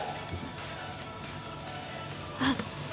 あった。